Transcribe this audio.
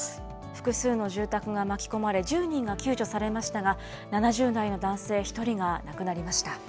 複数の住宅が巻き込まれ１０人が救助されましたが、７０代の男性１人が亡くなりました。